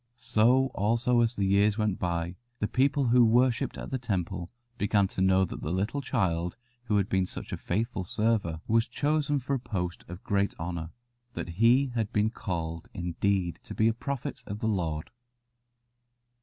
So also as the years went by the people who worshipped at the Temple began to know that the little child who had been such a faithful server was chosen for a post of great honour that he had been called, indeed, to be a prophet of the Lord.